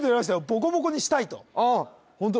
ボコボコにしたいとホント？